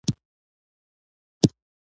هو خوږه موسکا دې وکړه او شونډې دې پرانیستې.